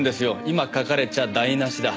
今描かれちゃ台なしだ。